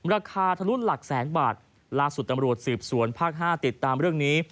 ทะลุหลักแสนบาทล่าสุดตำรวจสืบสวนภาคห้าติดตามเรื่องนี้